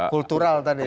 kultural tadi ya